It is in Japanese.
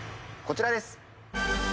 こちらです。